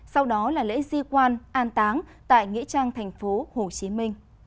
sau đó là lễ di quan an táng tại nghĩa trang tp hcm